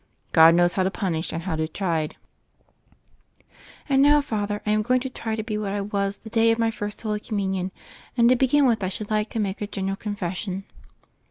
"God knows how to pun ish and how to chide." "And now, Father, I am going Xo try to be what I was the day of my First Holy Com munion ; and to begin with I should like to make a general confession."